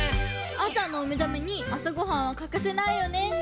あさのおめざめにあさごはんはかかせないよね。